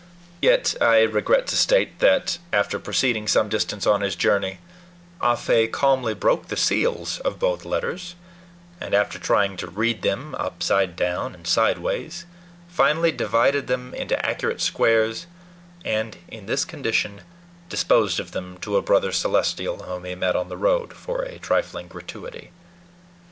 Yet I regret to state that, after proceeding some distance on his journey, Ah Fe calmly broke the seals of both letters, and after trying to read them upside down and sideways, finally divided them into accurate squares, and in this condition disposed of them to a brother Celestial whom he met on the road, for a trifling gratuity.